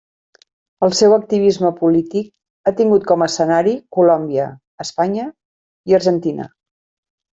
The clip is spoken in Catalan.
El seu activisme polític ha tingut com a escenari Colòmbia, Espanya, i Argentina.